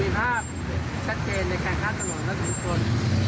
มีภาพชัดเจนมันแค่แม้เงินมาเป็นคน